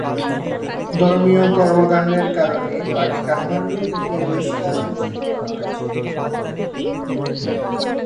ধর্মীয় কর্মকাণ্ডের কারণে তাকে কাঠমান্ডু থেকে বহিষ্কার পর্যন্ত করা হয়েছিল।